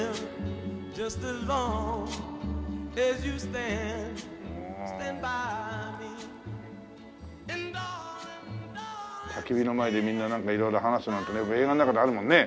たき火の前でみんななんか色々話すなんてよく映画の中であるもんね。